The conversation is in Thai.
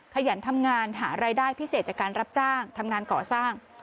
ขยันทำงานหารายได้พิเศษจากการรับจ้างทำงานก่อสร้าง